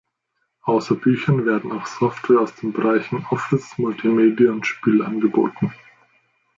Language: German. Außer Büchern werden auch Software aus den Bereichen Office, Multimedia und Spiele angeboten.